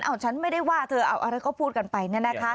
เอาฉันไม่ได้ว่าเธอเอาอะไรก็พูดกันไป